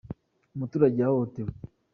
Umuturage yahohotewe.